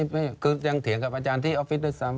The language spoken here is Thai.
ไม่คือยังเถียงกับอาจารย์ที่ออฟฟิศด้วยซ้ำ